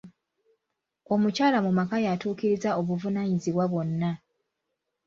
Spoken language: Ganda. Omukyala mu maka yatuukiriza obuvunaanyizibwa bwonna.